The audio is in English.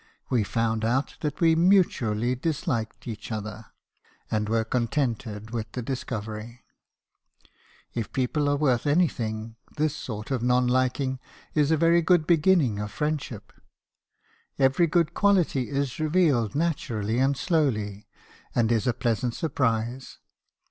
We found out that we mutually disliked each other; and were contented with the discovery. If people are worth anything, mb. habbison's confessions. 281 this sort of non liking is a very good beginning of friendship. Every good quality is revealed naturally and slowly, and is a pleasant surprise.